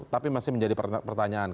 tapi masih menjadi pertanyaan